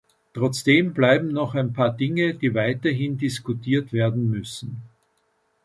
Trotzdem bleiben noch ein paar Dinge, die weiterhin diskutiert werden müssen.